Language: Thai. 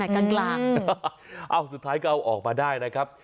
กลางกลางสุดท้ายก็เอาออกมาได้นะครับ